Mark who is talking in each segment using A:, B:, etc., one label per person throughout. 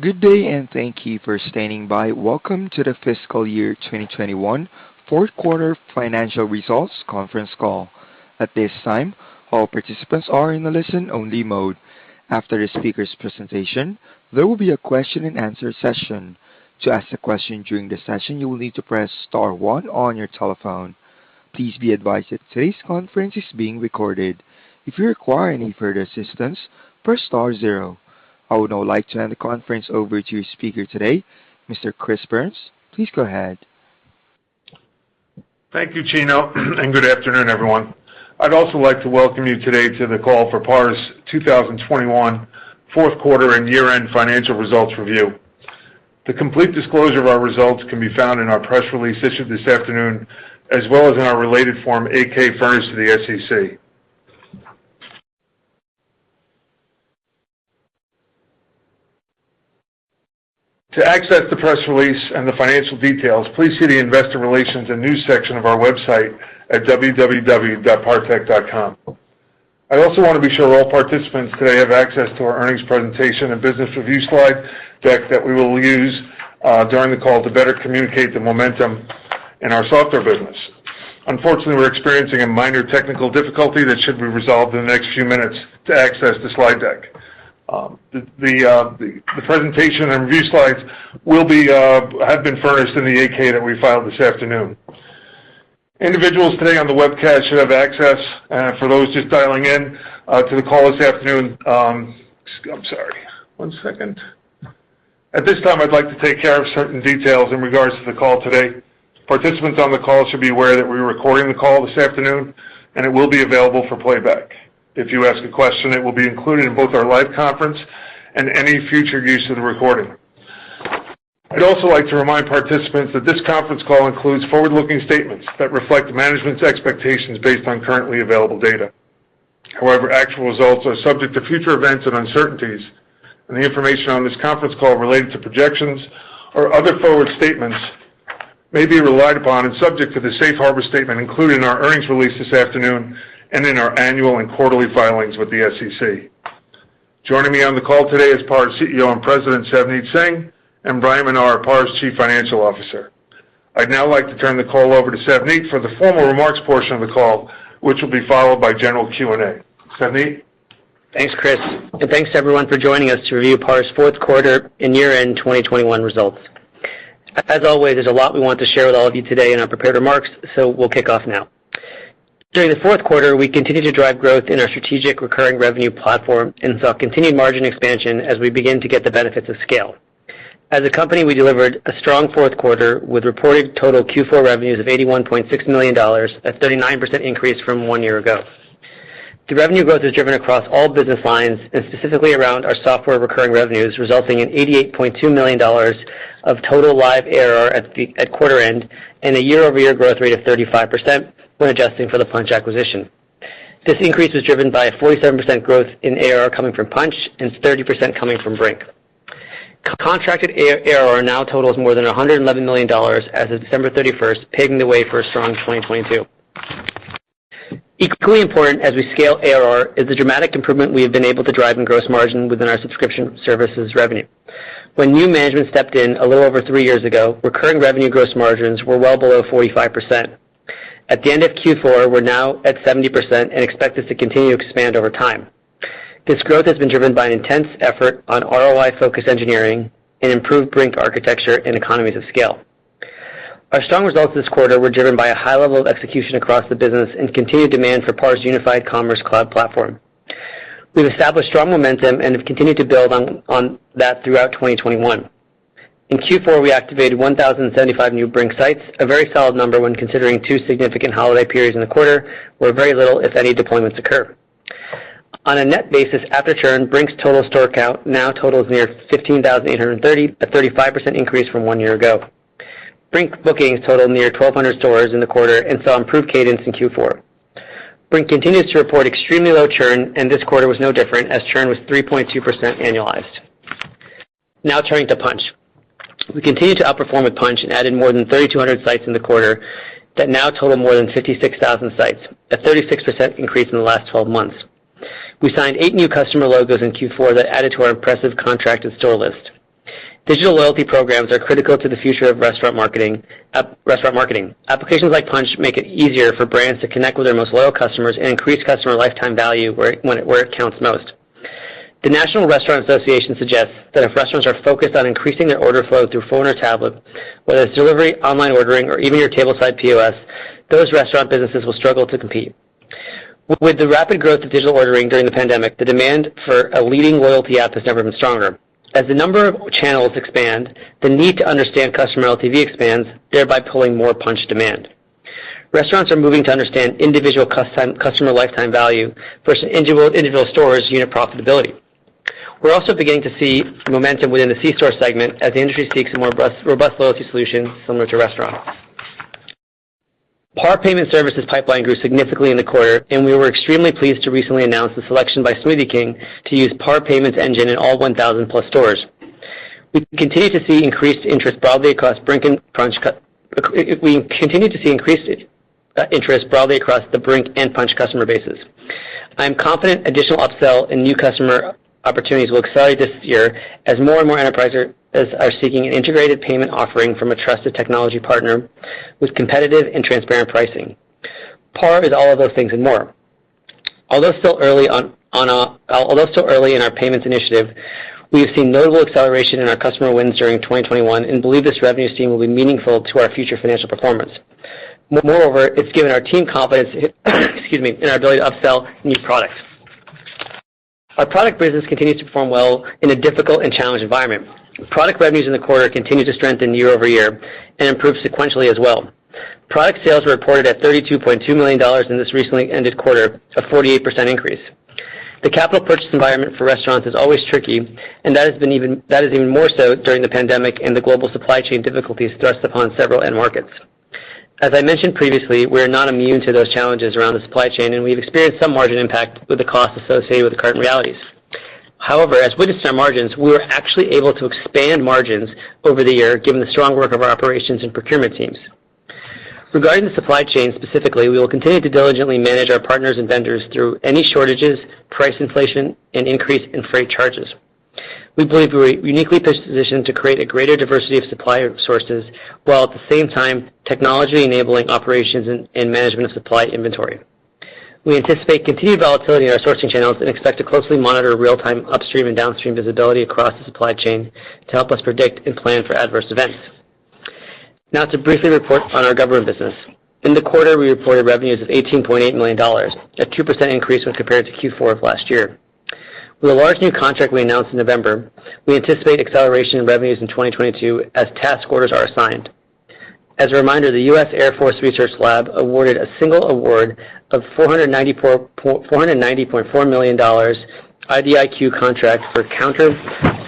A: Good day, and thank you for standing by. Welcome to the Fiscal Year 2021 Fourth Quarter Financial Results Conference Call. At this time, all participants are in a listen-only mode. After the speaker's presentation, there will be a question-and-answer session. To ask a question during the session, you will need to press star one on your telephone. Please be advised that today's conference is being recorded. If you require any further assistance, press star zero. I would now like to hand the conference over to your speaker today, Mr. Chris Byrnes. Please go ahead.
B: Thank you, Chino, and good afternoon, everyone. I'd also like to welcome you today to the call for PAR's 2021 fourth quarter and year-end financial results review. The complete disclosure of our results can be found in our press release issued this afternoon, as well as in our related Form 8-K furnished to the SEC. To access the press release and the financial details, please see the investor relations and news section of our website at www.partech.com. I'd also want to be sure all participants today have access to our earnings presentation and business review slide deck that we will use during the call to better communicate the momentum in our software business. Unfortunately, we're experiencing a minor technical difficulty that should be resolved in the next few minutes to access the slide deck. The presentation and review slides have been furnished in the 8-K that we filed this afternoon. Individuals today on the webcast should have access. For those just dialing in to the call this afternoon, at this time, I'd like to take care of certain details in regards to the call today. Participants on the call should be aware that we're recording the call this afternoon, and it will be available for playback. If you ask a question, it will be included in both our live conference and any future use of the recording. I'd also like to remind participants that this conference call includes forward-looking statements that reflect management's expectations based on currently available data. However, actual results are subject to future events and uncertainties, and the information on this conference call related to projections or other forward statements may be relied upon and subject to the safe harbor statement included in our earnings release this afternoon and in our annual and quarterly filings with the SEC. Joining me on the call today is PAR's CEO and President, Savneet Singh, and Bryan Menar, PAR's Chief Financial Officer. I'd now like to turn the call over to Savneet for the formal remarks portion of the call, which will be followed by general Q&A. Savneet?
C: Thanks, Chris, and thanks to everyone for joining us to review PAR's fourth quarter and year-end 2021 results. As always, there's a lot we want to share with all of you today in our prepared remarks, so we'll kick off now. During the fourth quarter, we continued to drive growth in our strategic recurring revenue platform and saw continued margin expansion as we begin to get the benefits of scale. As a company, we delivered a strong fourth quarter, with reported total Q4 revenues of $81.6 million, a 39% increase from one year ago. The revenue growth is driven across all business lines and specifically around our software recurring revenues, resulting in $88.2 million of total live ARR at quarter end and a year-over-year growth rate of 35% when adjusting for the Punchh acquisition. This increase was driven by a 47% growth in ARR coming from Punchh and 30% coming from Brink. Contracted ARR now totals more than $111 million as of December 31, paving the way for a strong 2022. Equally important as we scale ARR is the dramatic improvement we have been able to drive in gross margin within our subscription services revenue. When new management stepped in a little over 3 years ago, recurring revenue gross margins were well below 45%. At the end of Q4, we're now at 70% and expect this to continue to expand over time. This growth has been driven by an intense effort on ROI-focused engineering and improved Brink architecture and economies of scale. Our strong results this quarter were driven by a high level of execution across the business and continued demand for PAR's unified commerce cloud platform. We've established strong momentum and have continued to build on that throughout 2021. In Q4, we activated 1,075 new Brink sites, a very solid number when considering two significant holiday periods in the quarter, where very little, if any, deployments occur. On a net basis, after churn, Brink's total store count now totals near 15,830, a 35% increase from one year ago. Brink bookings totaled near 1,200 stores in the quarter and saw improved cadence in Q4. Brink continues to report extremely low churn, and this quarter was no different, as churn was 3.2% annualized. Now turning to Punchh. We continued to outperform with Punchh and added more than 3,200 sites in the quarter that now total more than 56,000 sites, a 36% increase in the last 12 months. We signed eight new customer logos in Q4 that added to our impressive contracted store list. Digital loyalty programs are critical to the future of restaurant marketing. Applications like Punchh make it easier for brands to connect with their most loyal customers and increase customer lifetime value where it counts most. The National Restaurant Association suggests that if restaurants are focused on increasing their order flow through phone or tablet, whether it's delivery, online ordering, or even your tableside POS, those restaurant businesses will struggle to compete. With the rapid growth of digital ordering during the pandemic, the demand for a leading loyalty app has never been stronger. As the number of channels expand, the need to understand customer LTV expands, thereby pulling more Punchh demand. Restaurants are moving to understand individual customer lifetime value versus individual stores' unit profitability. We're also beginning to see momentum within the C-Store segment as the industry seeks a more robust loyalty solution similar to restaurants. PAR Payment Services pipeline grew significantly in the quarter, and we were extremely pleased to recently announce the selection by Smoothie King to use PAR Payments engine in all 1,000+ stores. We continue to see increased interest broadly across the Brink and Punchh customer bases. I am confident additional upsell and new customer opportunities will accelerate this year as more and more enterprises are seeking an integrated payment offering from a trusted technology partner with competitive and transparent pricing. PAR is all of those things and more. Although still early in our payments initiative, we have seen notable acceleration in our customer wins during 2021 and believe this revenue stream will be meaningful to our future financial performance. Moreover, it's given our team confidence excuse me, in our ability to upsell new products. Our product business continues to perform well in a difficult and challenged environment. Product revenues in the quarter continues to strengthen year over year and improve sequentially as well. Product sales were reported at $32.2 million in this recently ended quarter, a 48% increase. The capital purchase environment for restaurants is always tricky, and that is even more so during the pandemic and the global supply chain difficulties thrust upon several end markets. As I mentioned previously, we're not immune to those challenges around the supply chain, and we've experienced some margin impact with the costs associated with the current realities. However, as witnessed in our margins, we were actually able to expand margins over the year given the strong work of our operations and procurement teams. Regarding the supply chain specifically, we will continue to diligently manage our partners and vendors through any shortages, price inflation, and increase in freight charges. We believe we're uniquely positioned to create a greater diversity of supplier sources, while at the same time technology enabling operations and management of supply inventory. We anticipate continued volatility in our sourcing channels and expect to closely monitor real-time upstream and downstream visibility across the supply chain to help us predict and plan for adverse events. Now to briefly report on our government business. In the quarter, we reported revenues of $18.8 million, a 2% increase when compared to Q4 of last year. With a large new contract we announced in November, we anticipate acceleration in revenues in 2022 as task orders are assigned. As a reminder, the U.S. Air Force Research Laboratory awarded a single award of $490.4 million IDIQ contract for counter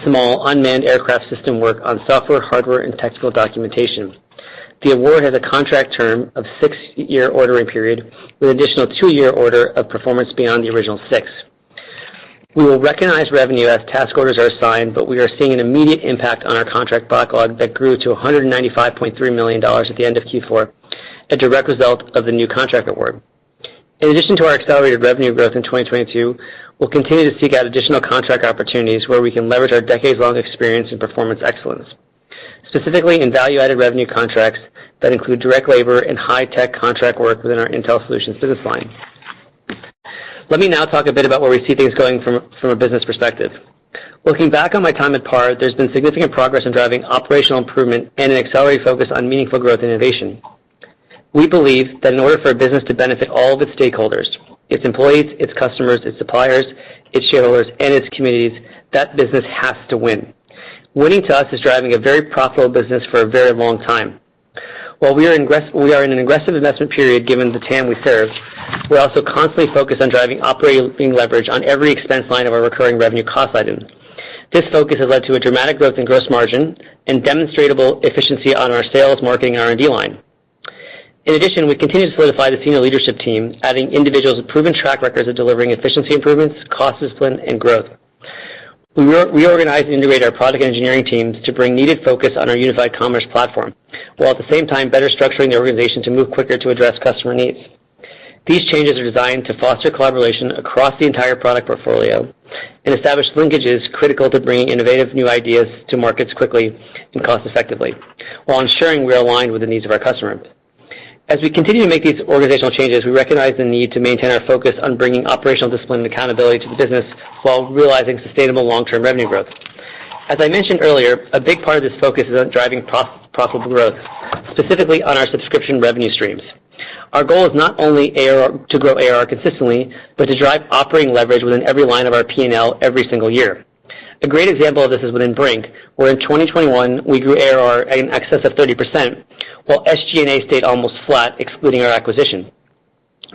C: small unmanned aircraft system work on software, hardware, and technical documentation. The award has a contract term of six-year ordering period with additional two-year order of performance beyond the original six. We will recognize revenue as task orders are assigned, but we are seeing an immediate impact on our contract backlog that grew to $195.3 million at the end of Q4, a direct result of the new contract award. In addition to our accelerated revenue growth in 2022, we'll continue to seek out additional contract opportunities where we can leverage our decades-long experience in performance excellence, specifically in value-added revenue contracts that include direct labor and high-tech contract work within our Intel solutions business line. Let me now talk a bit about where we see things going from a business perspective. Looking back on my time at PAR, there's been significant progress in driving operational improvement and an accelerated focus on meaningful growth innovation. We believe that in order for a business to benefit all of its stakeholders, its employees, its customers, its suppliers, its shareholders, and its communities, that business has to win. Winning to us is driving a very profitable business for a very long time. While we are in an aggressive investment period given the TAM we serve, we're also constantly focused on driving operating leverage on every expense line of our recurring revenue cost items. This focus has led to a dramatic growth in gross margin and demonstrable efficiency on our sales, marketing, R&D line. In addition, we continue to solidify the senior leadership team, adding individuals with proven track records of delivering efficiency improvements, cost discipline, and growth. We reorganized and integrated our product engineering teams to bring needed focus on our unified commerce platform, while at the same time better structuring the organization to move quicker to address customer needs. These changes are designed to foster collaboration across the entire product portfolio and establish linkages critical to bringing innovative new ideas to markets quickly and cost effectively, while ensuring we are aligned with the needs of our customers. As we continue to make these organizational changes, we recognize the need to maintain our focus on bringing operational discipline and accountability to the business while realizing sustainable long-term revenue growth. As I mentioned earlier, a big part of this focus is on driving profitable growth, specifically on our subscription revenue streams. Our goal is not only to grow ARR consistently, but to drive operating leverage within every line of our P&L every single year. A great example of this is within Brink, where in 2021, we grew ARR in excess of 30%, while SG&A stayed almost flat, excluding our acquisition.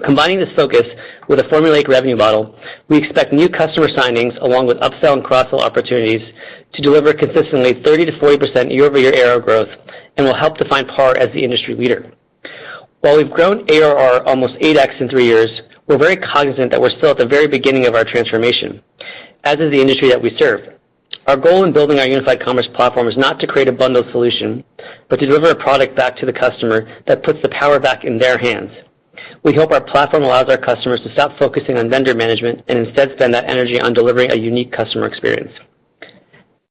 C: Combining this focus with a formulated revenue model, we expect new customer signings along with upsell and cross-sell opportunities to deliver consistently 30%-40% year-over-year ARR growth and will help define PAR as the industry leader. While we've grown ARR almost 8x in three years, we're very cognizant that we're still at the very beginning of our transformation, as is the industry that we serve. Our goal in building our unified commerce platform is not to create a bundled solution, but to deliver a product back to the customer that puts the power back in their hands. We hope our platform allows our customers to stop focusing on vendor management and instead spend that energy on delivering a unique customer experience.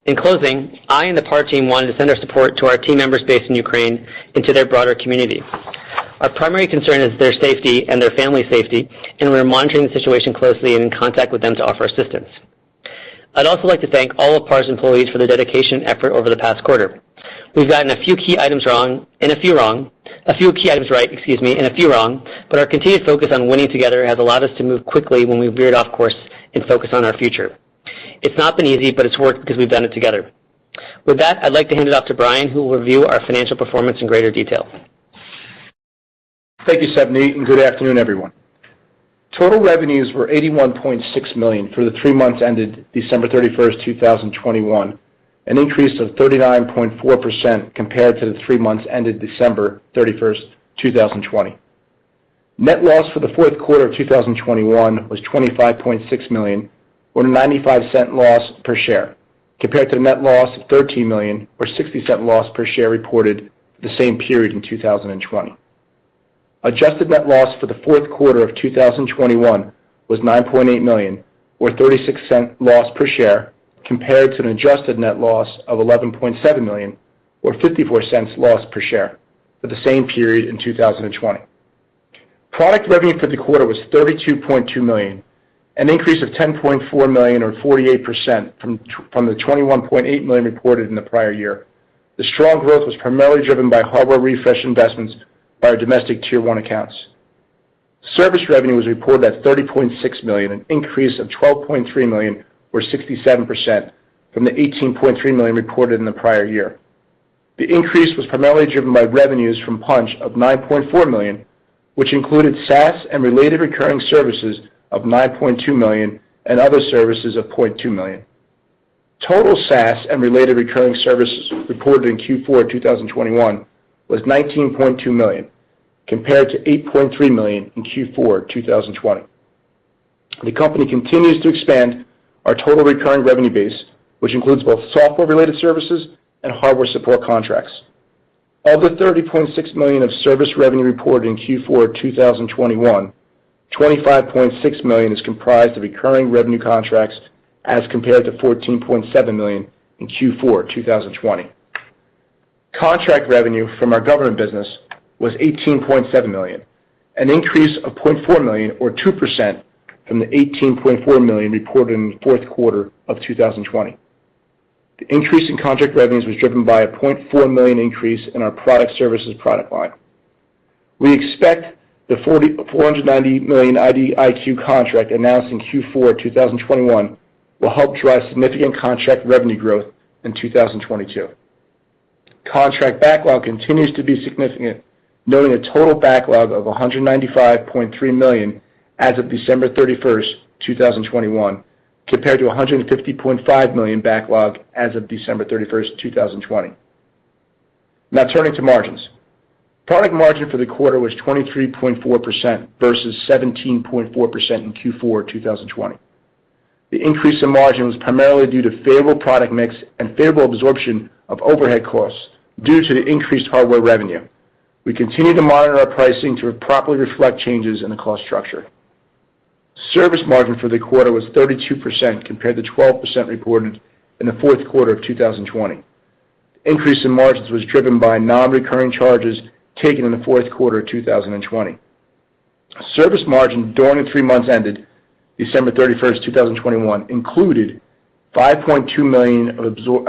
C: In closing, I and the PAR team wanted to send our support to our team members based in Ukraine and to their broader community. Our primary concern is their safety and their family's safety, and we're monitoring the situation closely and in contact with them to offer assistance. I'd also like to thank all of PAR's employees for their dedication and effort over the past quarter. We've gotten a few key items right, excuse me, and a few wrong, but our continued focus on winning together has allowed us to move quickly when we veered off course and focus on our future. It's not been easy, but it's worked because we've done it together. With that, I'd like to hand it off to Bryan, who will review our financial performance in greater detail.
D: Thank you, Savneet, and good afternoon, everyone. Total revenues were $81.6 million for the three months ended December 31, 2021, an increase of 39.4% compared to the three months ended December 31, 2020. Net loss for the fourth quarter of 2021 was $25.6 million, or $0.95 loss per share, compared to the net loss of $13 million or $0.60 loss per share reported the same period in 2020. Adjusted net loss for the fourth quarter of 2021 was $9.8 million or $0.36 loss per share, compared to an adjusted net loss of $11.7 million or $0.54 loss per share for the same period in 2020. Product revenue for the quarter was $32.2 million, an increase of $10.4 million or 48% from the $21.8 million reported in the prior year. The strong growth was primarily driven by hardware refresh investments by our domestic Tier 1 accounts. Service revenue was reported at $30.6 million, an increase of $12.3 million or 67% from the $18.3 million reported in the prior year. The increase was primarily driven by revenues from Punchh of $9.4 million, which included SaaS and related recurring services of $9.2 million and other services of $0.2 million. Total SaaS and related recurring services reported in Q4 2021 was $19.2 million compared to $8.3 million in Q4 2020. The company continues to expand our total recurring revenue base, which includes both software related services and hardware support contracts. Of the $30.6 million of service revenue reported in Q4 2021, $25.6 million is comprised of recurring revenue contracts as compared to $14.7 million in Q4 2020. Contract revenue from our government business was $18.7 million, an increase of $0.4 million or 2% from the $18.4 million reported in the fourth quarter of 2020. The increase in contract revenues was driven by a $0.4 million increase in our product services product line. We expect the $4,490 million IDIQ contract announced in Q4 2021 will help drive significant contract revenue growth in 2022. Contract backlog continues to be significant, noting a total backlog of $195.3 million as of December 31, 2021 compared to $150.5 million backlog as of December 31, 2020. Now turning to margins. Product margin for the quarter was 23.4% versus 17.4% in Q4 2020. The increase in margin was primarily due to favorable product mix and favorable absorption of overhead costs due to the increased hardware revenue. We continue to monitor our pricing to properly reflect changes in the cost structure. Service margin for the quarter was 32% compared to 12% reported in the fourth quarter of 2020. Increase in margins was driven by non-recurring charges taken in the fourth quarter of 2020. Service margin during the three months ended December 31, 2021 included $5.2 million of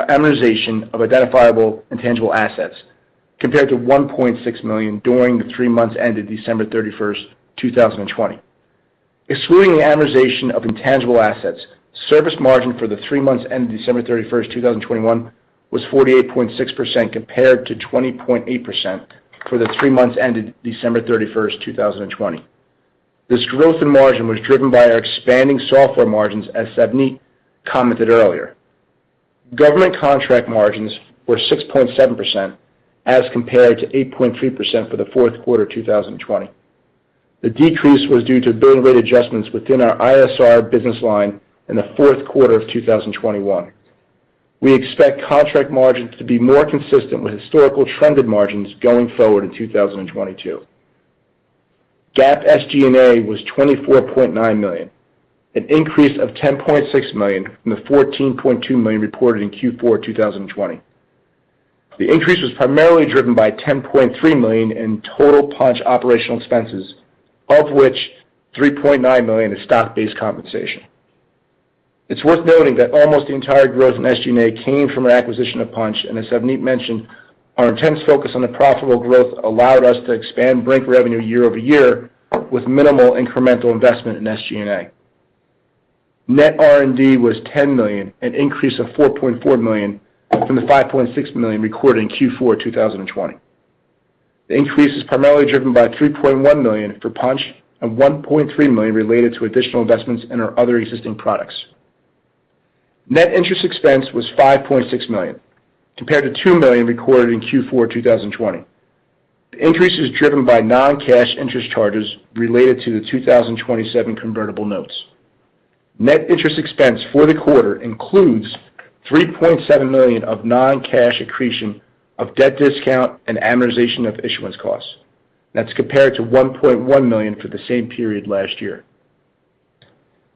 D: amortization of identifiable intangible assets compared to $1.6 million during the three months ended December 31, 2020. Excluding the amortization of intangible assets, service margin for the three months ended December 31, 2021 was 48.6% compared to 20.8% for the three months ended December 31, 2020. This growth in margin was driven by our expanding software margins, as Savneet commented earlier. Government contract margins were 6.7% as compared to 8.3% for the fourth quarter 2020. The decrease was due to billing rate adjustments within our ISR business line in the fourth quarter of 2021. We expect contract margins to be more consistent with historical trended margins going forward in 2022. GAAP SG&A was $24.9 million, an increase of $10.6 million from the $14.2 million reported in Q4 2020. The increase was primarily driven by $10.3 million in total Punchh operational expenses, of which $3.9 million is stock-based compensation. It's worth noting that almost the entire growth in SG&A came from our acquisition of Punchh, and as Savneet mentioned, our intense focus on the profitable growth allowed us to expand Brink revenue year over year with minimal incremental investment in SG&A. Net R&D was $10 million, an increase of $4.4 million from the $5.6 million recorded in Q4 2020. The increase is primarily driven by $3.1 million for Punchh and $1.3 million related to additional investments in our other existing products. Net interest expense was $5.6 million compared to $2 million recorded in Q4 2020. The increase is driven by non-cash interest charges related to the 2027 convertible notes. Net interest expense for the quarter includes $3.7 million of non-cash accretion of debt discount and amortization of issuance costs. That's compared to $1.1 million for the same period last year.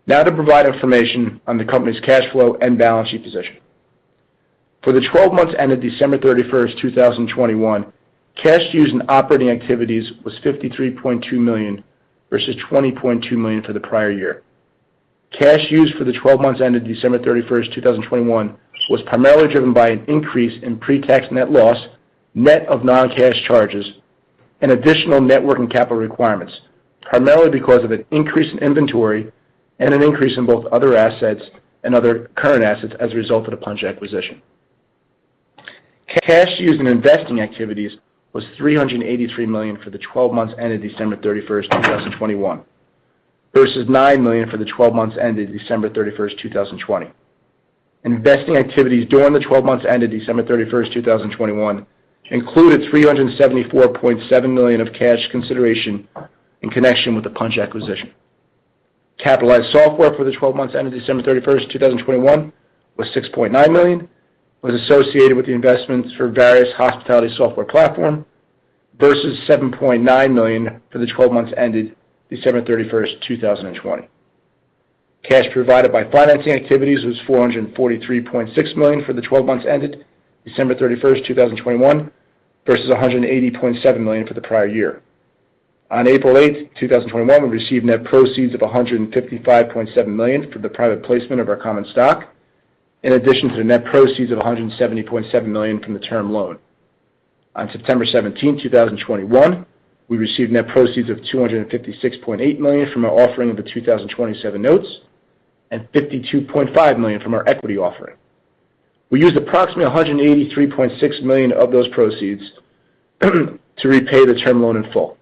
D: Now to provide information on the company's cash flow and balance sheet position. For the 12 months ended December 31, 2021, cash used in operating activities was $53.2 million versus $20.2 million for the prior year. Cash used for the twelve months ended December 31, 2021 was primarily driven by an increase in pre-tax net loss, net of non-cash charges and additional net working capital requirements, primarily because of an increase in inventory and an increase in both other assets and other current assets as a result of the Punchh acquisition. Cash used in investing activities was $383 million for the twelve months ended December 31, 2021 versus $9 million for the twelve months ended December 31, 2020. Investing activities during the twelve months ended December 31, 2021 included $374.7 million of cash consideration in connection with the Punchh acquisition. Capitalized software for the twelve months ended December 31, 2021 was $6.9 million associated with the investments for various hospitality software platform, versus $7.9 million for the twelve months ended December 31, 2020. Cash provided by financing activities was $443.6 million for the twelve months ended December 31, 2021, versus $180.7 million for the prior year. On April 8, 2021, we received net proceeds of $155.7 million from the private placement of our common stock, in addition to the net proceeds of $170.7 million from the term loan. On September 17, 2021, we received net proceeds of $256.8 million from our offering of the 2027 notes and $52.5 million from our equity offering. We used approximately $183.6 million of those proceeds to repay the term loan in full.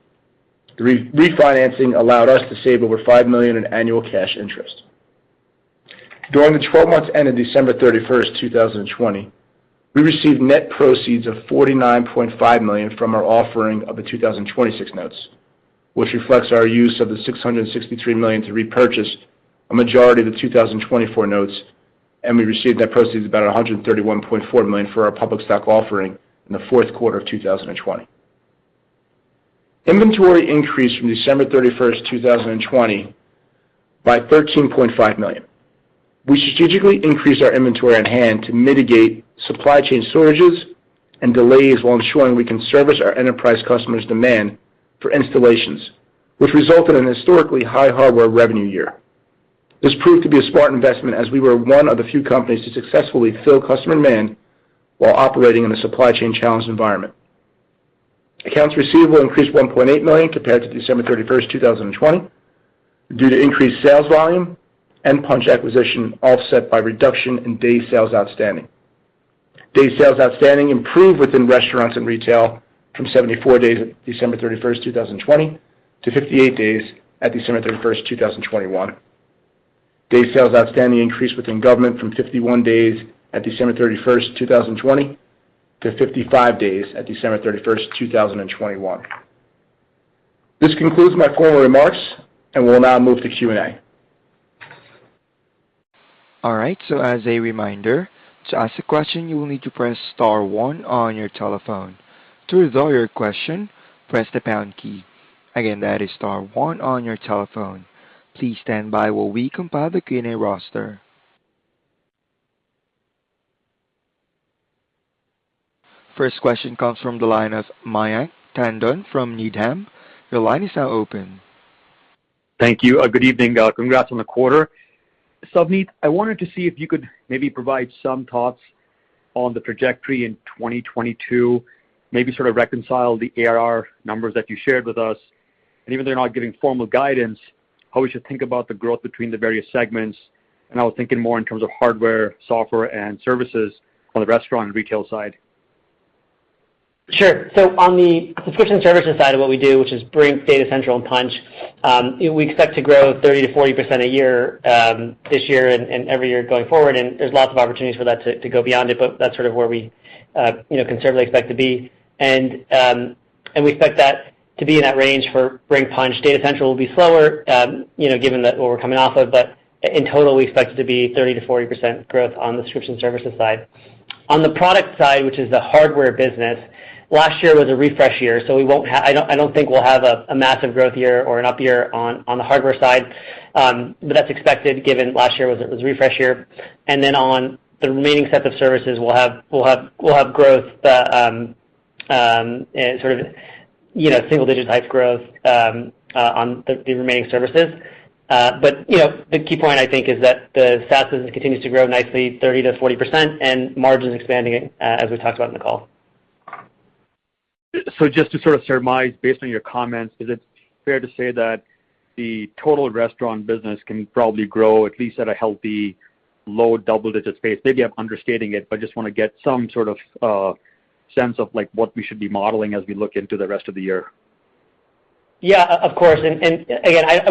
D: Re-refinancing allowed us to save over $5 million in annual cash interest. During the twelve months ended December 31, 2020, we received net proceeds of $49.5 million from our offering of the 2026 notes, which reflects our use of the $663 million to repurchase a majority of the 2024 notes, and we received net proceeds about $131.4 million for our public stock offering in the fourth quarter of 2020. Inventory increased from December 31, 2020 by $13.5 million. We strategically increased our inventory on hand to mitigate supply chain shortages and delays while ensuring we can service our enterprise customers' demand for installations, which resulted in a historically high hardware revenue year. This proved to be a smart investment as we were one of the few companies to successfully fill customer demand while operating in a supply chain-challenged environment. Accounts receivable increased by $1.8 million compared to December 31, 2020 due to increased sales volume and Punchh acquisition, offset by reduction in days sales outstanding. Days sales outstanding improved within restaurants and retail from 74 days at December 31, 2020 to 58 days at December 31, 2021. Days sales outstanding increased within government from 51 days at December 31, 2020 to 55 days at December 31, 2021. This concludes my formal remarks, and we'll now move to Q&A.
A: All right, as a reminder, to ask a question, you will need to press star one on your telephone. To withdraw your question, press the pound key. Again, that is star one on your telephone. Please stand by while we compile the Q&A roster. First question comes from the line of Mayank Tandon from Needham. Your line is now open.
E: Thank you. Good evening. Congrats on the quarter. Savneet, I wanted to see if you could maybe provide some thoughts on the trajectory in 2022, maybe sort of reconcile the ARR numbers that you shared with us. Even though you're not giving formal guidance, how we should think about the growth between the various segments, and I was thinking more in terms of hardware, software, and services on the restaurant and retail side.
C: Sure. On the subscription services side of what we do, which is Brink, Data Central, and Punchh, we expect to grow 30%-40% a year, this year and every year going forward, and there's lots of opportunities for that to go beyond it, but that's sort of where we you know, conservatively expect to be. We expect that to be in that range for Brink, Punchh. Data Central will be slower, you know, given that what we're coming off of, but in total, we expect it to be 30%-40% growth on the subscription services side. On the product side, which is the hardware business, last year was a refresh year, so we won't have. I don't think we'll have a massive growth year or an up year on the hardware side. That's expected given last year was a refresh year. Then on the remaining set of services, we'll have growth, but sort of, you know, single digit type growth on the remaining services. You know, the key point I think is that the SaaS business continues to grow nicely 30%-40% and margins expanding, as we talked about in the call.
E: Just to sort of surmise based on your comments, is it fair to say that the total restaurant business can probably grow at least at a healthy low double-digit pace? Maybe I'm understating it, but just wanna get some sort of sense of like what we should be modeling as we look into the rest of the year.
C: Yeah, of course. Again,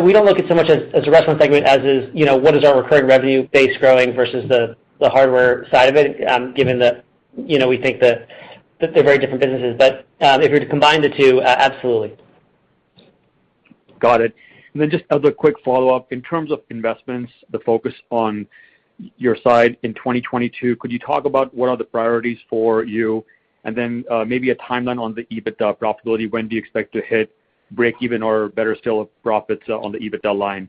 C: we don't look at so much as a restaurant segment as is, you know, what is our recurring revenue base growing versus the hardware side of it, given that, you know, we think that they're very different businesses. If you were to combine the two, absolutely.
E: Got it. Just as a quick follow-up, in terms of investments, the focus on your side in 2022, could you talk about what are the priorities for you? Maybe a timeline on the EBITDA profitability, when do you expect to hit breakeven or better still profits on the EBITDA line?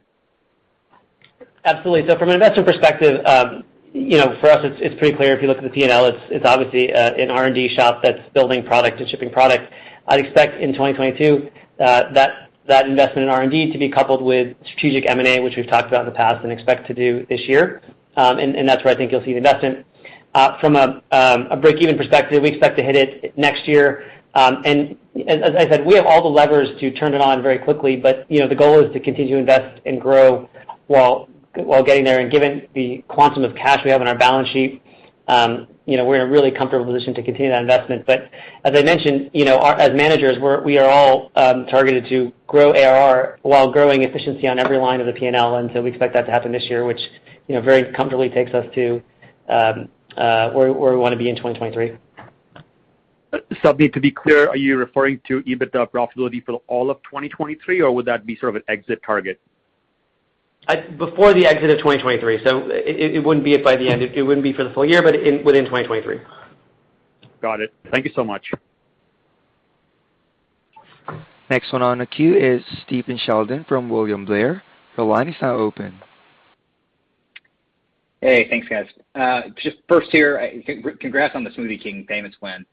C: Absolutely. From an investment perspective, you know, for us, it's pretty clear if you look at the P&L, it's obviously an R&D shop that's building product and shipping product. I'd expect in 2022 that investment in R&D to be coupled with strategic M&A, which we've talked about in the past and expect to do this year. That's where I think you'll see the investment. From a breakeven perspective, we expect to hit it next year. As I said, we have all the levers to turn it on very quickly, but you know, the goal is to continue to invest and grow while getting there. Given the quantum of cash we have on our balance sheet, you know, we're in a really comfortable position to continue that investment. As I mentioned, you know, as managers, we are all targeted to grow ARR while growing efficiency on every line of the P&L. We expect that to happen this year, which, you know, very comfortably takes us to where we wanna be in 2023.
E: I need to be clear, are you referring to EBITDA profitability for all of 2023, or would that be sort of an exit target?
C: Before the end of 2023. It wouldn't be by the end. It wouldn't be for the full year, but within 2023.
E: Got it. Thank you so much.
A: Next one on the queue is Stephen Sheldon from William Blair. Your line is now open.
F: Hey, thanks guys. Just first here, congrats on the Smoothie King payments win.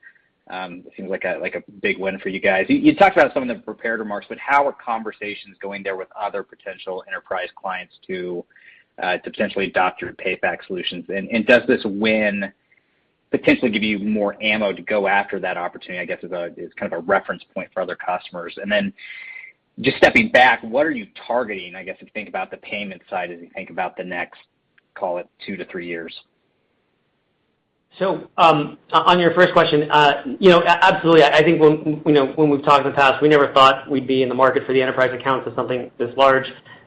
F: It seems like a big win for you guys. You talked about some of the prepared remarks, but how are conversations going there with other potential enterprise clients to potentially adopt your Payfac solutions? Does this win potentially give you more ammo to go after that opportunity, I guess, as kind of a reference point for other customers? Just stepping back, what are you targeting, I guess, to think about the payment side as you think about the next, call it, two to three years?
C: On your first question, you know, absolutely. I think when you know, when we've talked in the past, we never thought we'd be in the market for the enterprise accounts as something this large.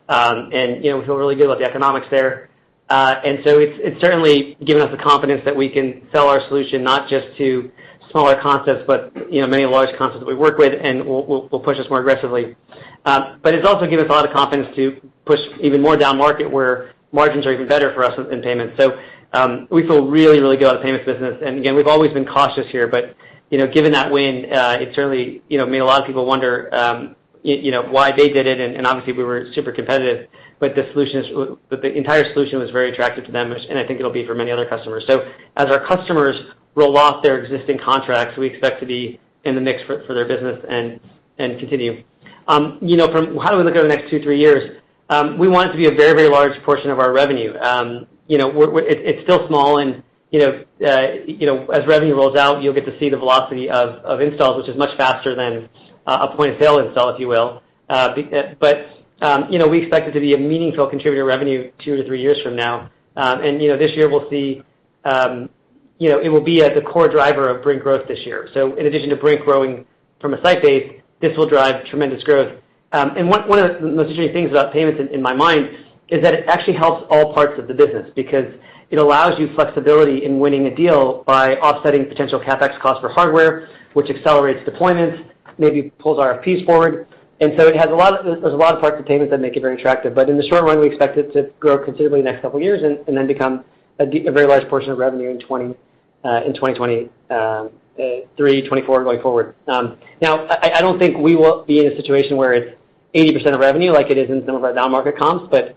C: We feel really good about the economics there. It's certainly given us the confidence that we can sell our solution not just to smaller concepts, but you know, many large concepts that we work with, and will push us more aggressively. But it's also given us a lot of confidence to push even more down-market where margins are even better for us in payments. We feel really, really good about the payments business. Again, we've always been cautious here, but you know, given that win, it certainly you know, made a lot of people wonder you know, why they did it, and obviously we were super competitive. The entire solution was very attractive to them, which and I think it'll be for many other customers. As our customers roll off their existing contracts, we expect to be in the mix for their business and continue. You know, from how do we look over the next two, three years, we want it to be a very, very large portion of our revenue. You know, it's still small and, you know, as revenue rolls out, you'll get to see the velocity of installs, which is much faster than a point-of-sale install, if you will. You know, we expect it to be a meaningful contributor to revenue two-three years from now. You know, this year we'll see, you know, it will be, like, the core driver of Brink growth this year. In addition to Brink growing from a site base, this will drive tremendous growth. One of the most interesting things about payments in my mind is that it actually helps all parts of the business because it allows you flexibility in winning a deal by offsetting potential CapEx costs for hardware, which accelerates deployments, maybe pulls RFPs forward. It has a lot of parts of payments that make it very attractive. In the short run, we expect it to grow considerably the next couple of years and then become a very large portion of revenue in 2023, 2024 going forward. Now I don't think we will be in a situation where it's 80% of revenue like it is in some of our down-market comps, but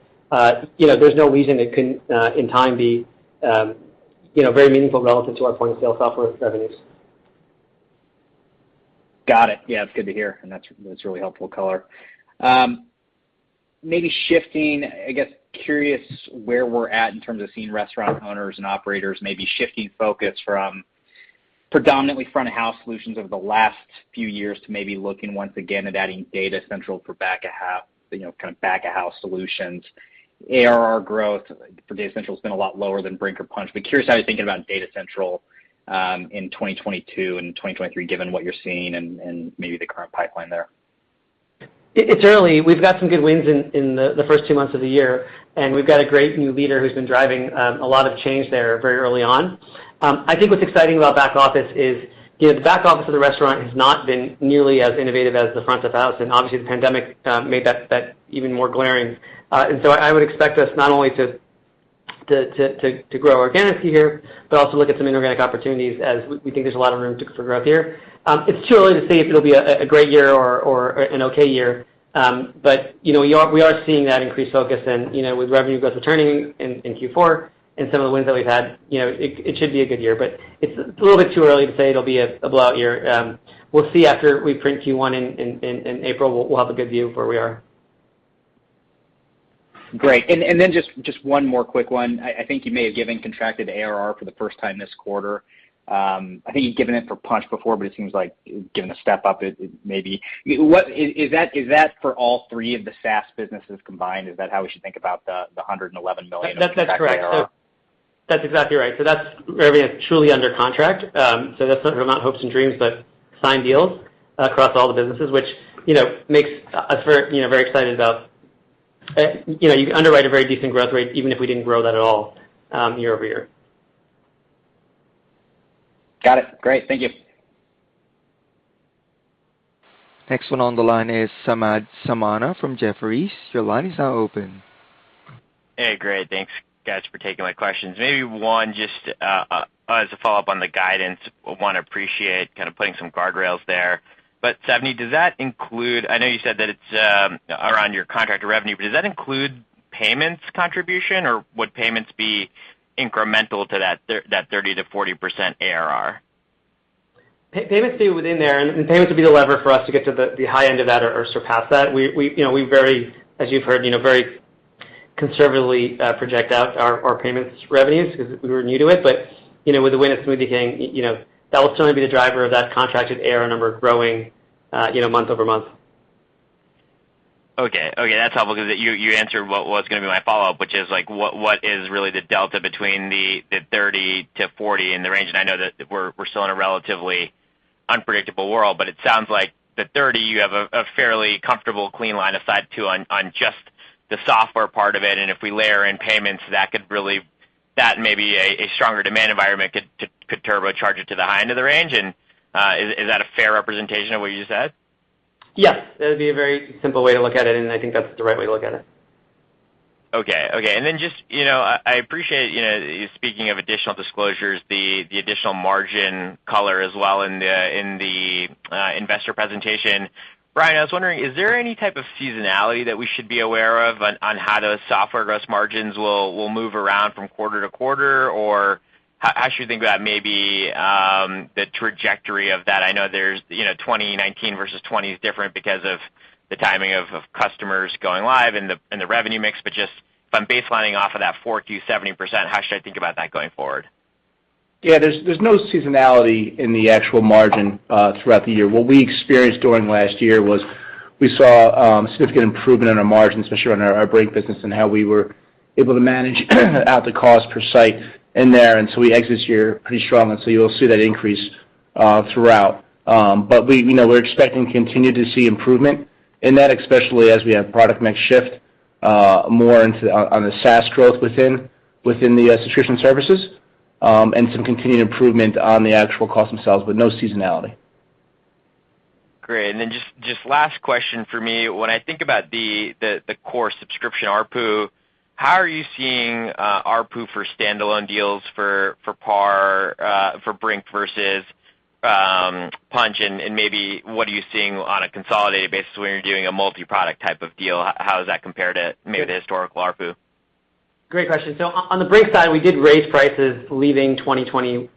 C: you know, there's no reason it couldn't in time be you know, very meaningful relative to our point-of-sale software revenues.
F: Got it. Yeah, it's good to hear, and that's really helpful color. Maybe shifting, I guess, curious where we're at in terms of seeing restaurant owners and operators maybe shifting focus from predominantly front-of-house solutions over the last few years to maybe looking once again at adding Data Central for back-of-house, you know, kind of back-of-house solutions. ARR growth for Data Central has been a lot lower than Brink or Punchh. Curious how you're thinking about Data Central in 2022 and 2023, given what you're seeing and maybe the current pipeline there?
C: It's early. We've got some good wins in the first two months of the year, and we've got a great new leader who's been driving a lot of change there very early on. I think what's exciting about back office is, you know, the back office of the restaurant has not been nearly as innovative as the front of house, and obviously, the pandemic made that even more glaring. I would expect us not only to grow organically here, but also look at some inorganic opportunities as we think there's a lot of room for growth here. It's too early to say if it'll be a great year or an okay year. You know, we are seeing that increased focus and, you know, with revenue growth returning in Q4 and some of the wins that we've had, you know, it should be a good year. It's a little bit too early to say it'll be a blowout year. We'll see after we print Q1 in April. We'll have a good view of where we are.
F: Great. Then just one more quick one. I think you may have given contracted ARR for the first time this quarter. I think you've given it for Punchh before, but it seems like given the step up, it maybe is that for all three of the SaaS businesses combined. Is that how we should think about the $111 million of contracted ARR?
C: That's correct. That's exactly right. That's revenue that's truly under contract. That's not hopes and dreams, but signed deals across all the businesses, which, you know, makes us very, you know, very excited about, you know, you underwrite a very decent growth rate, even if we didn't grow that at all, year over year.
F: Got it. Great. Thank you.
A: Next one on the line is Samad Samana from Jefferies. Your line is now open.
G: Hey, great. Thanks guys for taking my questions. Maybe just one as a follow-up on the guidance. I appreciate kind of putting some guardrails there. Savneet, does that include, I know you said that it's around your contracted revenue, but does that include payments contribution, or would payments be incremental to that 30%-40% ARR?
C: Payments will be within there, and payments will be the lever for us to get to the high end of that or surpass that. You know, we very, as you've heard, you know, very conservatively project out our payments revenues because we were new to it. You know, with the win of Smoothie King, that will certainly be the driver of that contracted ARR number growing, you know, month-over-month.
G: Okay, that's helpful because you answered what was gonna be my follow-up, which is like, what is really the delta between the 30-40 in the range. I know that we're still in a relatively unpredictable world, but it sounds like the 30, you have a fairly comfortable clean line of sight to on just the software part of it. If we layer in payments, that could really That may be a stronger demand environment could turbocharge it to the high end of the range. Is that a fair representation of what you said?
C: Yes. That'd be a very simple way to look at it, and I think that's the right way to look at it.
G: Okay. I appreciate speaking of additional disclosures, the additional margin color as well in the investor presentation. Bryan, I was wondering, is there any type of seasonality that we should be aware of on how those software gross margins will move around from quarter to quarter? Or how should you think about maybe the trajectory of that? I know there's you know, 2019 versus 2020 is different because of the timing of customers going live and the revenue mix. But just if I'm baselining off of that 4%-70%, how should I think about that going forward?
D: Yeah, there's no seasonality in the actual margin throughout the year. What we experienced during last year was we saw significant improvement in our margins, especially on our Brink business and how we were able to manage out the cost per site in there. We exit this year pretty strong, and so you'll see that increase throughout. We know we're expecting to continue to see improvement in that, especially as we have product mix shift more into on the SaaS growth within the subscription services, and some continued improvement on the actual cost themselves, but no seasonality.
G: Great. Just last question for me. When I think about the core subscription ARPU, how are you seeing ARPU for standalone deals for Par, for Brink versus Punchh? Maybe what are you seeing on a consolidated basis when you're doing a multiproduct type of deal, how does that compare to maybe the historical ARPU?
C: Great question. On the Brink side, we did raise prices leaving 2021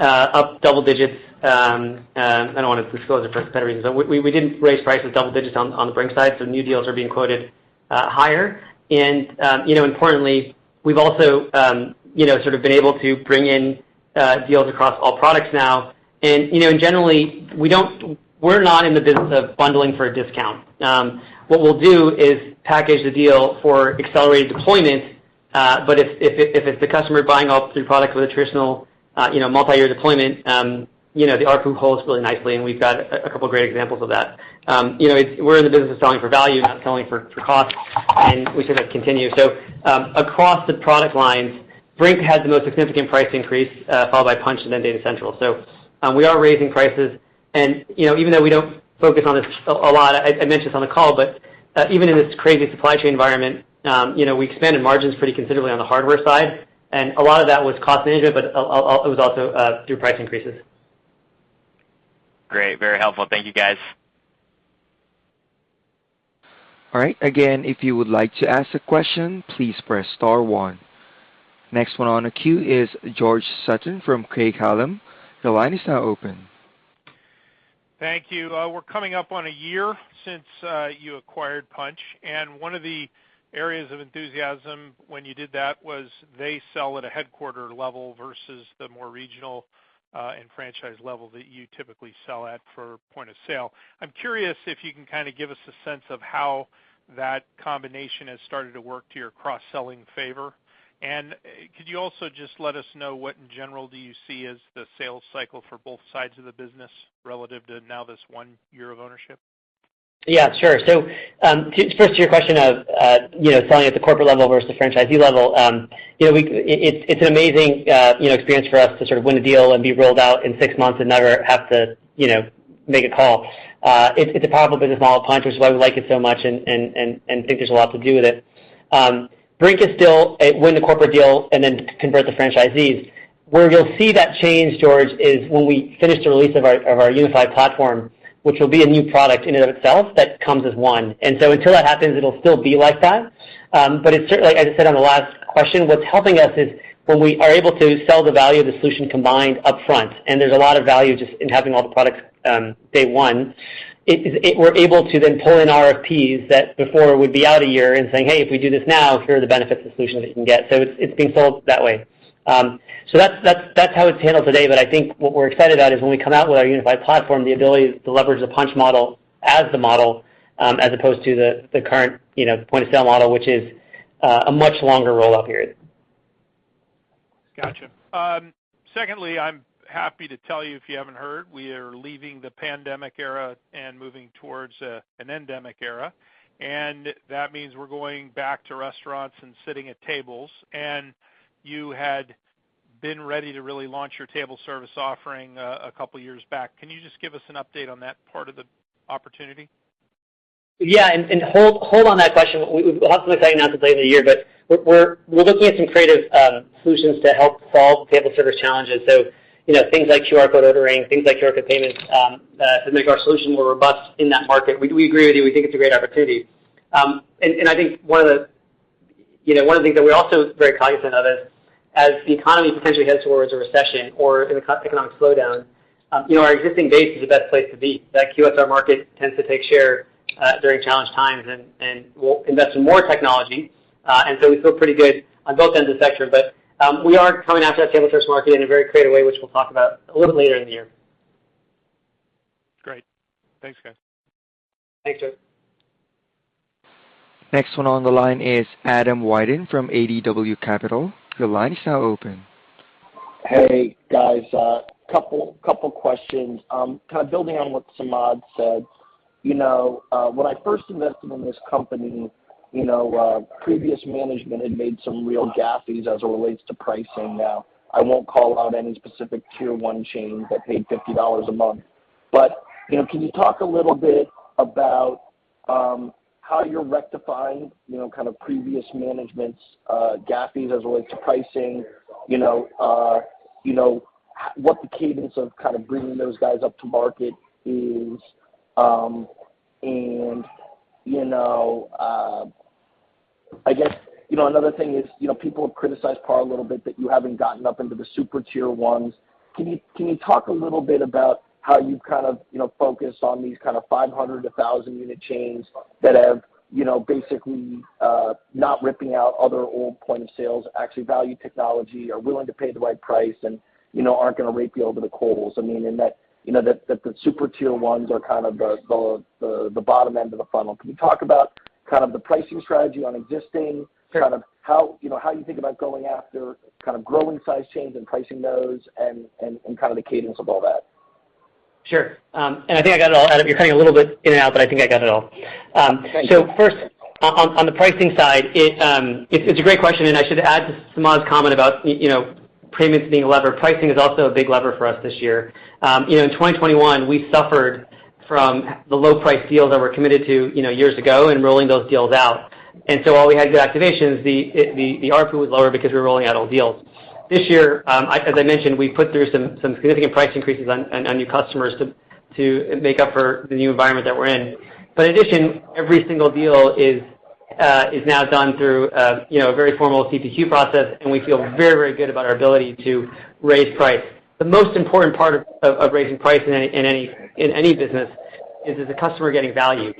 C: up double digits. I don't wanna disclose it for competitive reasons. We did raise prices double digits on the Brink side, so new deals are being quoted higher. You know, importantly, we've also sort of been able to bring in deals across all products now. You know, generally we're not in the business of bundling for a discount. What we'll do is package the deal for accelerated deployment. If it's the customer buying all three products with a traditional multiyear deployment, you know, the ARPU holds really nicely, and we've got a couple of great examples of that. You know, we're in the business of selling for value, not selling for cost, and we sort of continue. Across the product lines, Brink had the most significant price increase, followed by Punchh and then Data Central. We are raising prices. You know, even though we don't focus on this a lot, I mentioned this on the call, but even in this crazy supply chain environment, you know, we expanded margins pretty considerably on the hardware side, and a lot of that was cost and interest, but it was also through price increases.
G: Great. Very helpful. Thank you, guys.
A: All right. Again, if you would like to ask a question, please press star one. Next one on the queue is George Sutton from Craig-Hallum. The line is now open.
H: Thank you. We're coming up on a year since you acquired Punchh, and one of the areas of enthusiasm when you did that was they sell at a headquarter level versus the more regional and franchise level that you typically sell at for point of sale. I'm curious if you can kinda give us a sense of how that combination has started to work to your cross-selling favor. Could you also just let us know what in general do you see as the sales cycle for both sides of the business relative to now this one year of ownership?
C: Yeah, sure. First to your question of, you know, selling at the corporate level versus the franchisee level, you know, we—it's an amazing, you know, experience for us to sort of win a deal and be rolled out in six months and never have to, you know, make a call. It's a powerful business model at Punchh, which is why we like it so much and think there's a lot to do with it. Brink is still a win the corporate deal and then convert the franchisees. Where you'll see that change, George, is when we finish the release of our unified platform, which will be a new product in and of itself that comes as one. Until that happens, it'll still be like that. It certainly, as I said on the last question, what's helping us is when we are able to sell the value of the solution combined upfront, and there's a lot of value just in having all the products day one. We're able to then pull in RFPs that before would be out a year and saying, "Hey, if we do this now, here are the benefits of the solution that you can get." It's being sold that way. That's how it's handled today. I think what we're excited about is when we come out with our unified platform, the ability to leverage the Punchh model as the model, as opposed to the current point-of-sale model, which is a much longer rollout period.
H: Gotcha. Secondly, I'm happy to tell you if you haven't heard, we are leaving the pandemic era and moving towards an endemic era, and that means we're going back to restaurants and sitting at tables. You had been ready to really launch your table service offering a couple years back. Can you just give us an update on that part of the opportunity?
C: Yeah. Hold on that question. We'll have something exciting to announce later in the year, but we're looking at some creative solutions to help solve table service challenges. You know, things like QR code ordering, things like QR code payments, to make our solution more robust in that market. We agree with you. We think it's a great opportunity. I think one of the things that we're also very cognizant of is, as the economy potentially heads towards a recession or economic slowdown, you know, our existing base is the best place to be. That QSR market tends to take share during challenging times and will invest in more technology. We feel pretty good on both ends of the spectrum. We are coming after that table service market in a very creative way, which we'll talk about a little bit later in the year.
H: Great. Thanks, guys.
C: Thanks, George.
A: Next one on the line is Adam Wyden from ADW Capital. Your line is now open.
I: Hey, guys, couple questions. Kind of building on what Samad said, you know, when I first invested in this company, you know, previous management had made some real gaffes as it relates to pricing. Now, I won't call out any specific Tier One chain that paid $50 a month. You know, can you talk a little bit about how you're rectifying, you know, kind of previous management's gaffes as it relates to pricing, you know, you know, what the cadence of kind of bringing those guys up to market is, and you know, I guess, you know, another thing is, you know, people have criticized PAR a little bit that you haven't gotten up into the super Tier Ones. Can you talk a little bit about how you kind of, you know, focus on these kind of 500-1,000-unit chains that have, you know, basically, not ripping out other old point of sales, actually value technology, are willing to pay the right price and, you know, aren't gonna rake you over the coals? I mean, that, you know, that the super Tier Ones are kind of the bottom end of the funnel. Can you talk about kind of the pricing strategy on existing-
C: Sure.
I: Kind of how, you know, how you think about going after kind of growing size chains and pricing those and kind of the cadence of all that?
C: Sure. I think I got it all, Adam. You're cutting a little bit in and out, but I think I got it all.
I: Thank you.
C: First on the pricing side, it's a great question, and I should add to Samad's comment about, you know, payments being a lever. Pricing is also a big lever for us this year. You know, in 2021, we suffered from the low price deals that were committed to, you know, years ago and rolling those deals out. While we had good activations, the ARPU was lower because we were rolling out old deals. This year, as I mentioned, we put through some significant price increases on new customers to make up for the new environment that we're in. In addition, every single deal is now done through, you know, a very formal CTQ process, and we feel very good about our ability to raise price. The most important part of raising price in any business is the customer getting value.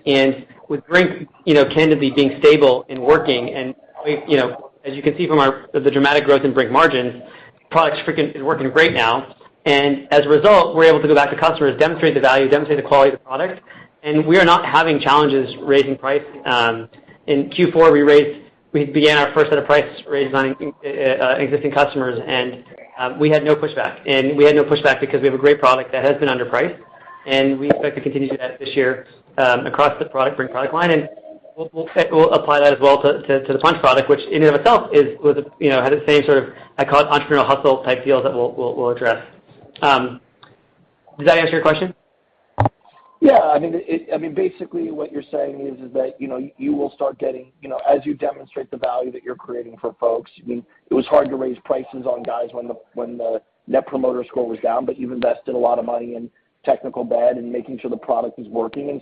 C: With Brink, you know, candidly being stable and working, and we, you know, as you can see from our, the dramatic growth in Brink margins, product's freaking is working great now. As a result, we're able to go back to customers, demonstrate the value, demonstrate the quality of the product, and we are not having challenges raising price. In Q4, we began our first set of price raise on existing customers, and we had no pushback. We had no pushback because we have a great product that has been underpriced, and we expect to continue to do that this year, across the product, Brink product line. We'll apply that as well to the Punchh product, which in and of itself is with, you know, had the same sort of, I call it entrepreneurial hustle type deals that we'll address. Does that answer your question?
I: Yeah. I mean, basically what you're saying is that, you know, you will start getting, you know, as you demonstrate the value that you're creating for folks, I mean, it was hard to raise prices on guys when the Net Promoter Score was down, but you've invested a lot of money in tech debt and making sure the product is working.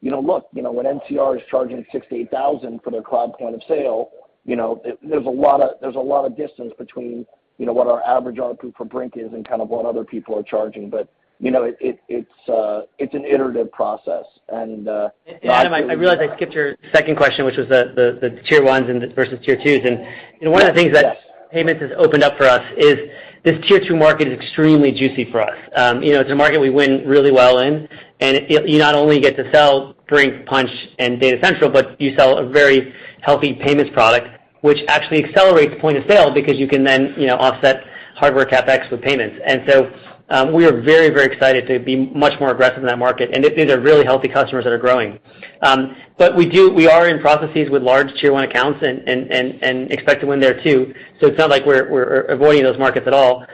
I: You know, look, you know, when NCR is charging $6,000-$8,000 for their cloud point of sale, you know, there's a lot of distance between, you know, what our average ARPU for Brink is and kind of what other people are charging. But, you know, it's an iterative process and not-
C: Adam, I realized I skipped your second question, which was the Tier Ones and versus Tier Twos. You know, one of the things that-
I: Yes, yes
C: What payments has opened up for us is this Tier Two market is extremely juicy for us. It's a market we win really well in. You not only get to sell Brink, Punchh and Data Central, but you sell a very healthy payments product, which actually accelerates point of sale because you can then offset hardware CapEx with payments. We are very, very excited to be much more aggressive in that market. These are really healthy customers that are growing. We are in processes with large Tier One accounts and expect to win there too. It's not like we're avoiding those markets at all.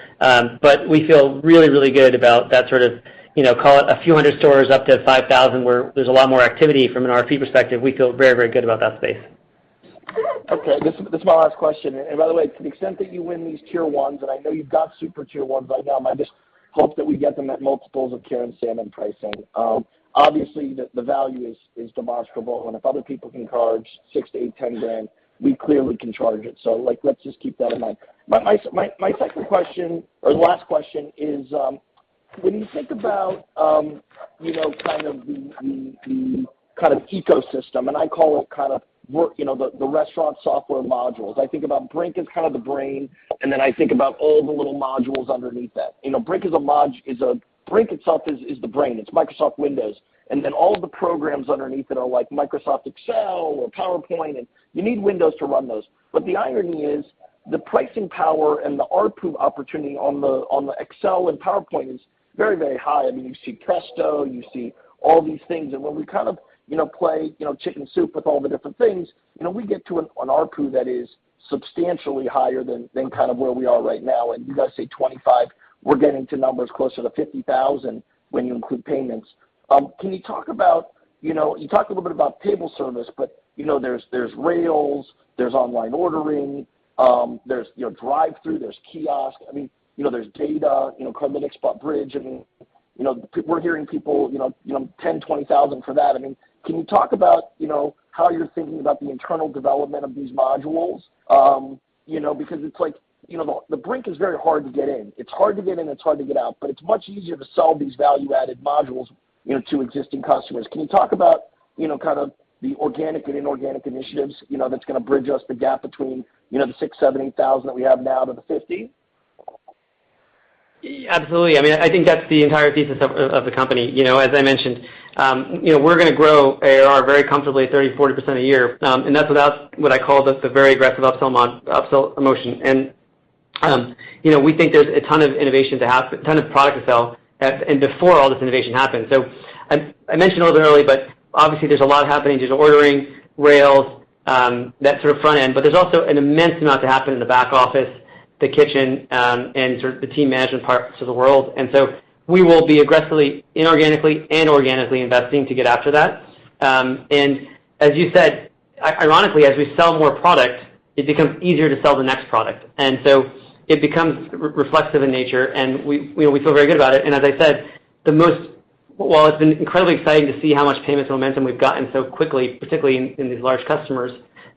C: We feel really good about that sort of, you know, call it a few hundred stores up to 5,000, where there's a lot more activity from an RP perspective. We feel very good about that space.
I: Okay, this is my last question. By the way, to the extent that you win these Tier Ones, and I know you've got super Tier Ones right now, I just hope that we get them at multiples of carry-on same-on pricing. Obviously the value is demonstrable, and if other people can charge $6,000-$8,000, $10,000, we clearly can charge it. Like, let's just keep that in mind. My second question or last question is, when you think about, you know, kind of the kind of ecosystem, and I call it kind of work, you know, the restaurant software modules. I think about Brink as kind of the brain, and then I think about all the little modules underneath that. You know, Brink itself is the brain. It's Microsoft Windows. Then all the programs underneath it are like Microsoft Excel or PowerPoint, and you need Windows to run those. The irony is the pricing power and the ARPU opportunity on the Excel and PowerPoint is very, very high. I mean, you see Presto, you see all these things. When we kind of, you know, play, you know, chicken soup with all the different things, you know, we get to an ARPU that is substantially higher than kind of where we are right now. You guys say $25, we're getting to numbers closer to $50,000 when you include payments. Can you talk about, you know, you talked a little bit about table service, but, you know, there's rails, there's online ordering, there's, you know, drive-thru, there's kiosk. I mean, you know, there's Data Central export Bridge. I mean, you know, we're hearing people, you know, $10,000-$20,000 for that. I mean, can you talk about, you know, how you're thinking about the internal development of these modules? You know, because it's like, you know, the Brink is very hard to get in. It's hard to get in, it's hard to get out, but it's much easier to sell these value-added modules, you know, to existing customers. Can you talk about, you know, kind of the organic and inorganic initiatives, you know, that's gonna bridge the gap between, you know, the $6,000-$8,000 that we have now to the 50?
C: Absolutely. I mean, I think that's the entire thesis of the company. You know, as I mentioned, you know, we're gonna grow ARR very comfortably at 30%-40% a year. That's what I call just a very aggressive upsell motion. You know, we think there's a ton of innovation to happen, ton of product to sell, and before all this innovation happens. I mentioned a little bit earlier, but obviously there's a lot happening. There's ordering rails, that sort of front end, but there's also an immense amount to happen in the back office, the kitchen, and sort of the team management parts of the world. We will be aggressively inorganically and organically investing to get after that. As you said, ironically, as we sell more product, it becomes easier to sell the next product. It becomes reflexive in nature, and we, you know, feel very good about it. As I said, while it's been incredibly exciting to see how much payments momentum we've gotten so quickly, particularly in these large customers,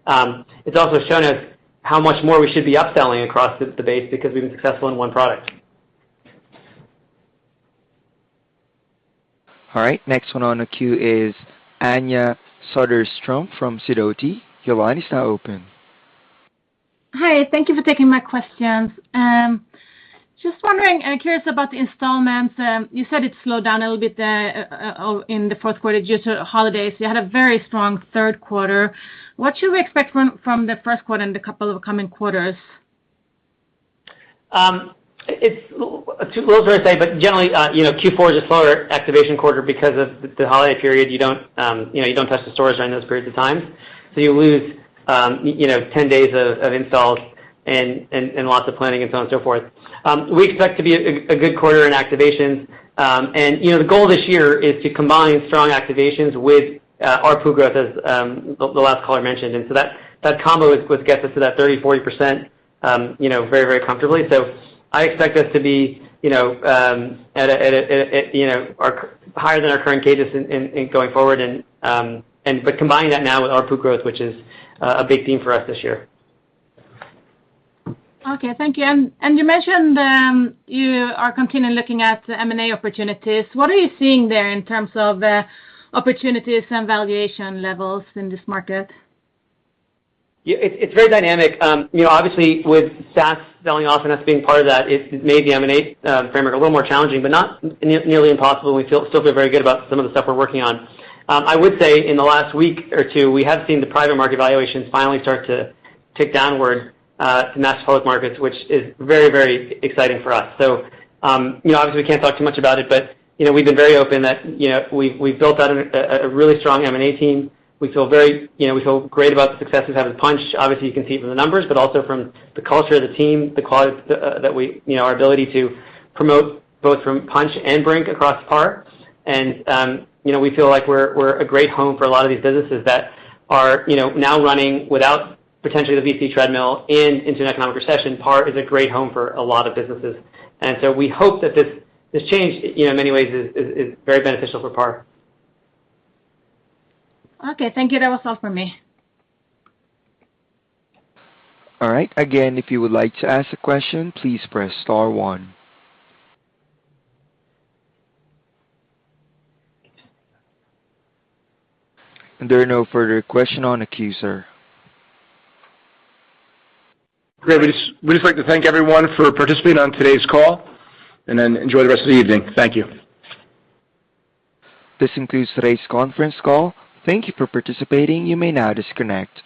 C: it's also shown us how much more we should be upselling across the base because we've been successful in one product.
A: All right, next one on the queue is Anja Soderstrom from Sidoti. Your line is now open.
J: Hi, thank you for taking my questions. Just wondering and curious about the installments. You said it slowed down a little bit in the fourth quarter due to holidays. You had a very strong third quarter. What should we expect from the first quarter and the couple of coming quarters?
C: Well, it's hard to say, but generally, you know, Q4 is a slower activation quarter because of the holiday period. You don't, you know, touch the stores during those periods of time. You lose, you know, 10 days of installs and lots of planning and so on and so forth. We expect to be a good quarter in activations. You know, the goal this year is to combine strong activations with ARPU growth as the last caller mentioned. That combo is what gets us to that 30%-40%, you know, very comfortably. I expect us to be, you know, at a, you know, our. Higher than our current CapEx in going forward, but combining that now with ARPU growth, which is a big theme for us this year.
J: Okay, thank you. You mentioned you are continuing looking at M&A opportunities. What are you seeing there in terms of opportunities and valuation levels in this market?
C: Yeah, it's very dynamic. You know, obviously with SaaS selling off and us being part of that, it's made the M&A framework a little more challenging, but not nearly impossible. We still feel very good about some of the stuff we're working on. I would say in the last week or two, we have seen the private market valuations finally start to tick downward to match public markets, which is very, very exciting for us. You know, obviously, we can't talk too much about it, but you know, we've been very open that you know, we've built out a really strong M&A team. We feel great about the successes having Punchh. Obviously, you can see it from the numbers, but also from the culture of the team that we... You know, our ability to promote both from Punchh and Brink across PAR. You know, we feel like we're a great home for a lot of these businesses that are, you know, now running without potentially the VC treadmill into an economic recession. PAR is a great home for a lot of businesses. We hope that this change, in many ways is very beneficial for PAR.
J: Okay. Thank you. That was all for me.
A: All right. Again, if you would like to ask a question, please press star one. There are no further questions on the queue, sir.
D: Great. We'd just like to thank everyone for participating on today's call, and then enjoy the rest of the evening. Thank you.
A: This concludes today's conference call. Thank you for participating. You may now disconnect.